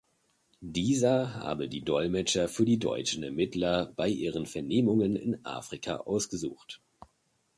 Dieser habe die Dolmetscher für die deutschen Ermittler bei ihren Vernehmungen in Afrika ausgesucht.